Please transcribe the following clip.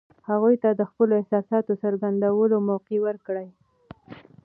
هغوی ته د خپلو احساساتو د څرګندولو موقع ورکړئ.